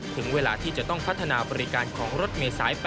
ถึงเวลาที่จะต้องพัฒนาบริการของรถเมษาย๘๐